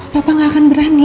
papa gak akan berani